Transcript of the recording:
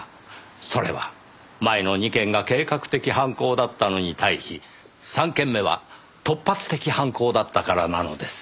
それは前の２件が計画的犯行だったのに対し３件目は突発的犯行だったからなのです。